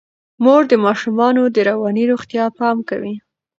مور د ماشومانو د رواني روغتیا پام کوي.